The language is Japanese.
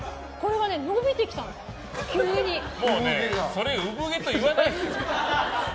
それ、産毛とは言わないですよ。